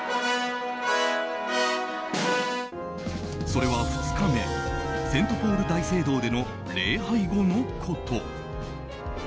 それは２日目セントポール大聖堂での礼拝後のこと。